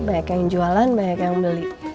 banyak yang jualan banyak yang beli